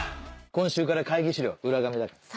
今週から会議資料裏紙だから。